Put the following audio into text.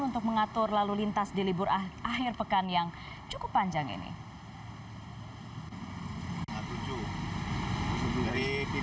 untuk mengatur lalu lintas di libur akhir pekan yang cukup panjang ini